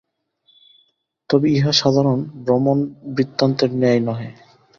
তবে ইহা সাধারণ ভ্রমণবৃত্তান্তের ন্যায় নহে।